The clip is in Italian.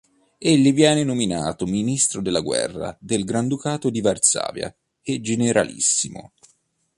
Egli viene nominato ministro della guerra del Granducato di Varsavia e generalissimo.